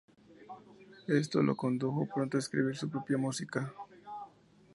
Esto la condujo pronto en escribir su propia música.